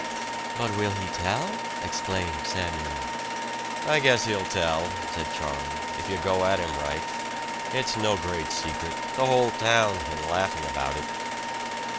"But will he tell?" exclaimed Samuel. "I guess he'll tell," said Charlie, "if you go at him right. It's no great secret the whole town's been laughing about it."